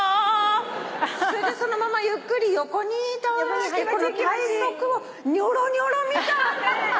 それでそのままゆっくり横に倒して体側をニョロニョロみたい！